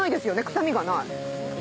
臭みがない。